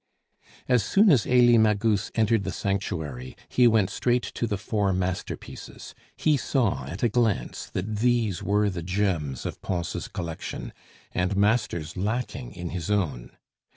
As soon as Elie Magus entered the sanctuary, he went straight to the four masterpieces; he saw at a glance that these were the gems of Pons' collection, and masters lacking in his own.